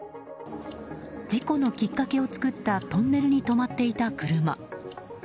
事故のきっかけを作ったトンネルに止まっていた車。